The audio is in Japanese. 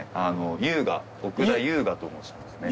優雅奥田優雅と申しますね。